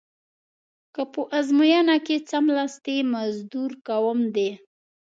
که په ازموینه کې څملاستلې مزدور کوم دې.